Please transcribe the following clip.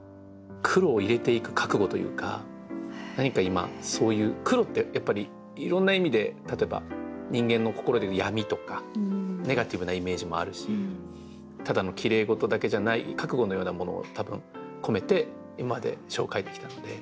黒を入れていく覚悟というか何か今そういう黒ってやっぱりいろんな意味で例えば人間の心でいう闇とかネガティブなイメージもあるしただのきれい事だけじゃない覚悟のようなものを多分込めて今まで書を書いてきたので。